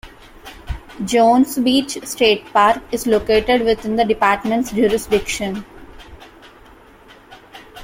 Jones Beach State Park is located within the department's jurisdiction.